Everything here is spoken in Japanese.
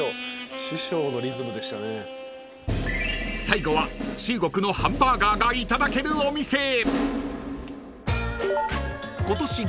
［最後は中国のハンバーガーがいただけるお店へ］